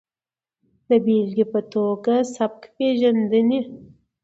د بېلګې په ټوګه سبک پېژندنې